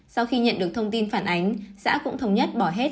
sau khi nhận được thông tin phản ánh xã cũng thống nhất bỏ hết